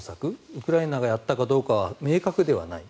ウクライナがやったかどうかは明確ではない。